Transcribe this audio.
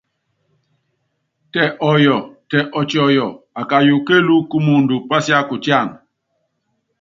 Tɛ ɔyɔ, tɛ ɔtiɔ́yɔ́ɔ, akayuku kélúkú kumuundɔ pásiákutíána.